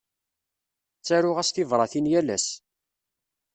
Ttaruɣ-as tibratin yal ass.